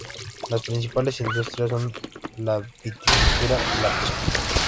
Las principales industrias son la viticultura y la pesca.